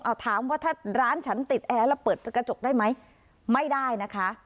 เอาถามว่าถ้าร้านฉันติดแอร์แล้วเปิดกระจกได้ไหมไม่ได้นะคะ